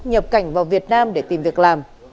nhập cảnh vào việt nam để tìm việc làm